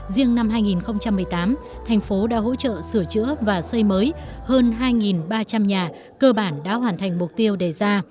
riêng năm hai nghìn một mươi tám thành phố đã hỗ trợ sửa chữa và xây mới hơn hai ba trăm linh nhà cơ bản đã hoàn thành mục tiêu đề ra